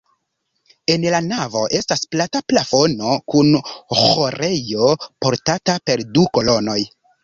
En la navo estas plata plafono kun ĥorejo portata per du kolonoj.